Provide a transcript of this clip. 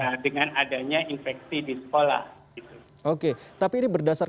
nah dengan adanya infeksi di sekolah